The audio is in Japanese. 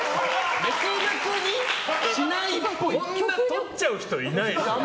こんな取っちゃう人いないでしょ。